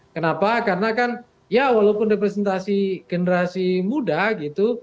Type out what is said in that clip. kenapa karena kan ya walaupun representasi generasi muda gitu